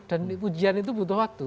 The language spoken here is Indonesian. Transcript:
dan ujian itu butuh waktu